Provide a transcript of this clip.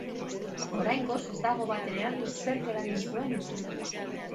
Oraingoz ez dago batere argi zerk eragin zuen istripua.